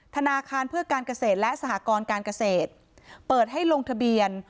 ธนาคารเพื่อการเกษตรและสหกรการเกษตรเปิดให้ลงทะเบียน